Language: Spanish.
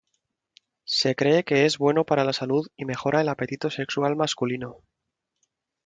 Se cree que es bueno para la salud y mejora el apetito sexual masculino.